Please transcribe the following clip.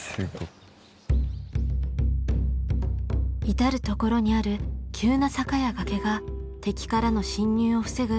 至る所にある急な坂や崖が敵からの侵入を防ぐ